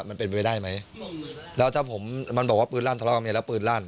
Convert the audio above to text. มันเป็นไปได้ไหมแล้วถ้าผมมันบอกว่าปืนลั่นทะเลาะกับเมียแล้วปืนลั่น